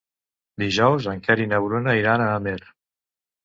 Dijous en Quer i na Bruna iran a Amer.